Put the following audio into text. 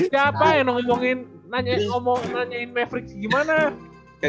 siapa yang nanyain mefrix gimana